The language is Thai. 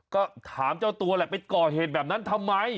ก็ถามเจ้าตัวแหละไปก่อเหตุแบบนั้นทำไม